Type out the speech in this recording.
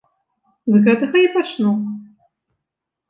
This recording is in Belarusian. З гэтага і пачну.